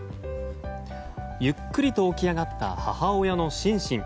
ゆっくりと起き上がった母親のシンシン。